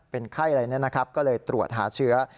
เป็นไข้อะไรนะครับก็เลยตรวจหาเชื้อ